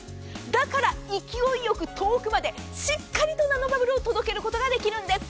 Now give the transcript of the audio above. だから勢いよく遠くまでしっかりとナノバブルを届けることができるんです。